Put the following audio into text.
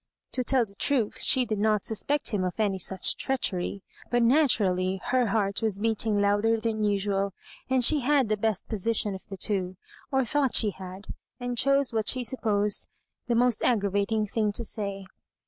To tell the truth, she did not suspect him of any such treachery ; but, naturally, her heart was'beating louder than usual, and she had the best position of the two, or thought she had, and chose what she supposed the most aggravating thing to say.